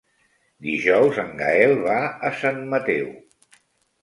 Dijous en Gaël va a Sant Mateu.